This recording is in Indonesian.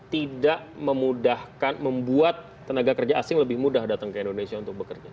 tidak memudahkan membuat tenaga kerja asing lebih mudah datang ke indonesia untuk bekerja